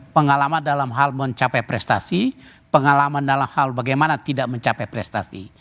pengalaman dalam hal mencapai prestasi pengalaman dalam hal bagaimana tidak mencapai prestasi